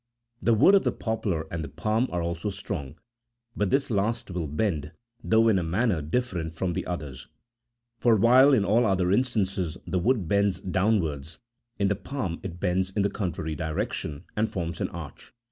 The wood of the poplar and the palm are also strong, but this last will bend, though in a manner different from the others ; for, while in all other instances the wood bends downwards, in the palm it bends in the contrary direction,43 and forms an arch.